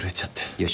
よし。